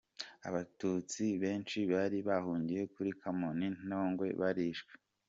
Abatutsi benshi bari bahungiye kuri Komini Ntongwe, barishwe.